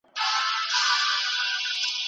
ژباړه د څو مهمو عناصرو ګډ کار دی.